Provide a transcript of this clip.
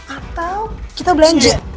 atau kita belanja